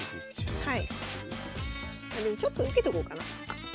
でもちょっと受けとこうかな。